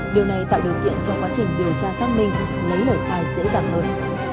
điều này tạo điều kiện trong quá trình điều tra phát minh lấy lời khai dễ dàng hơn